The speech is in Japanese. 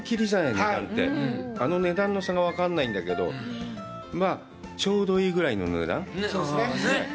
値段って、あの値段の差が分からないんだけど、また、ちょうどいいぐらいの値段。